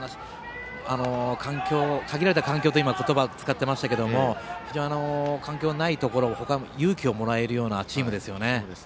限られた環境という言葉を使っていましたけれども他の環境のないところが勇気をもらえるチームですね。